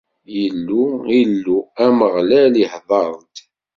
Illu, Illu, Ameɣlal ihder-d.